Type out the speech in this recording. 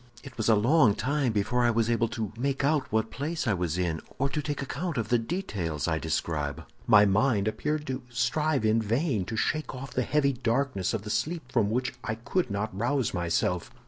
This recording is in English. "It was a long time before I was able to make out what place I was in, or to take account of the details I describe. My mind appeared to strive in vain to shake off the heavy darkness of the sleep from which I could not rouse myself.